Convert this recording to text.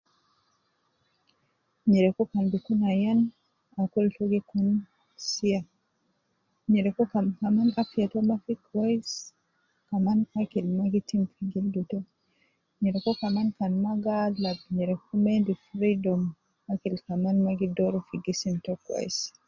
Nyereku kan bi kun ayan akul to gi kun siya, nyereku kan kaman afiya to mma fi kwesi kaman akil mma gi tim uwo fi gildu to nyereku kaman kan mma gi alab, nyereku mma endi freedom, akil kaman mma gi doru fi gildu to kwesi.